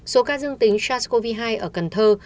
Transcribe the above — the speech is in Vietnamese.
số ca dương tính sars cov hai ở cần thơ